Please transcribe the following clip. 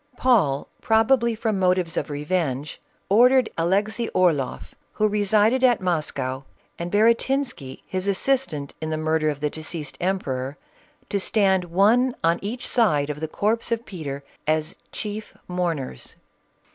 Paul, probably from motives of revenge, ordered Alexey Orloff, who resided at Moscow, and Baratinsky, his assistant in the murder of the deceased emperor, to stand one on each side of the corpse of Peter as chief mourners.